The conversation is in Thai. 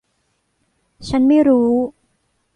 ฉันไม่รู้.